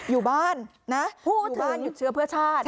อยู่บ้านนะพูดถึงอยู่บ้านอยู่เชื้อเพื่อชาติ